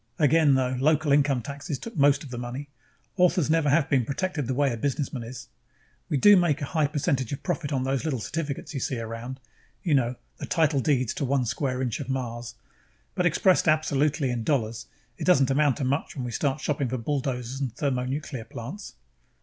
Again, though, local income taxes took most of the money; authors never have been protected the way a businessman is. We do make a high percentage of profit on those little certificates you see around you know, the title deeds to one square inch of Mars but expressed absolutely, in dollars, it doesn't amount to much when we start shopping for bulldozers and thermonuclear power plants."